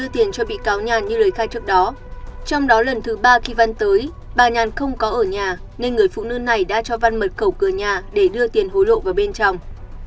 trong đó lần thứ ba kỳ văn tới bà nhàn không có ở nhà nên người phụ nữ này đã cho văn mở cầu cửa nhà để đưa tiền hối lộ vào bên trong